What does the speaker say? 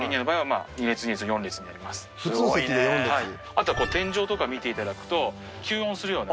あとは天井とか見て頂くと吸音するような。